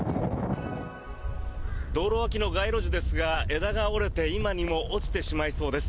道路脇の街路樹ですが枝が折れて今にも落ちてしまいそうです。